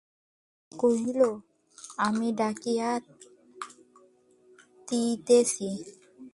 পূর্ণ কহিল, আমি ডাকিয়া দিতেছি।